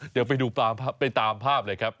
เดี๋ยวไปดูไปตามภาพเลยครับ